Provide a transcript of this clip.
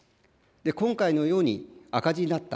今回のように赤字になった。